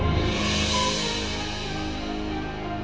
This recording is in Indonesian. iya dia bawa pengacara sama ibu dari dinas sosial